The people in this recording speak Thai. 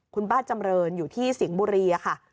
คุณป้าจำเรินอยู่ที่สิงห์บุรีค่ะ